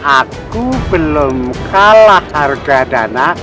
aku belum kalah harga dana